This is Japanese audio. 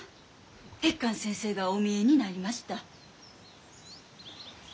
鉄寛先生がお見えになりました。